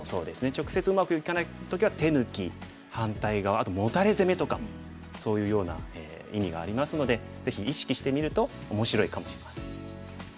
直接うまくいかない時は手抜き反対側あとモタレ攻めとかもそういうような意味がありますのでぜひ意識してみると面白いかもしれません。